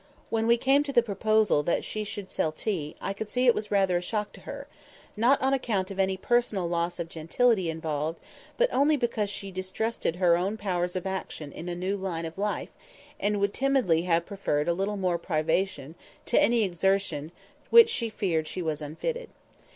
When we came to the proposal that she should sell tea, I could see it was rather a shock to her; not on account of any personal loss of gentility involved, but only because she distrusted her own powers of action in a new line of life, and would timidly have preferred a little more privation to any exertion for which she feared she was unfitted.